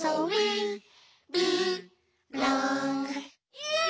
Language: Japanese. イエイ！